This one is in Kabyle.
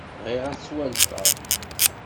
Bɣiɣ ad ttwaletfeɣ.